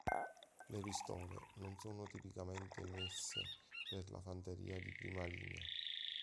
Le pistole non sono tipicamente emesse per la fanteria di prima linea.